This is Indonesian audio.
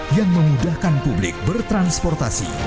yang memudahkan publik bertransportasi